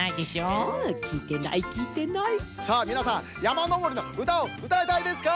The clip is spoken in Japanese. さあみなさんやまのぼりのうたをうたいたいですか？